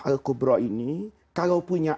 al qubro ini kalau punya